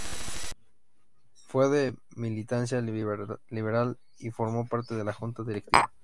Fue de militancia Liberal, y formó parte de la Junta Directiva.